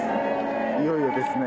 いよいよですね。